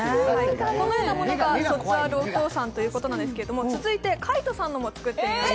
このようなものが「＃卒アルお父さん」ということなんですけれども、続いて、海音さんのも作ってみました。